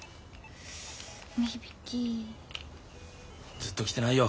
ずっと来てないよ